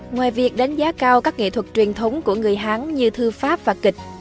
ngoài việc đánh giá cao các nghệ thuật truyền thống của người hán như thư pháp và kịch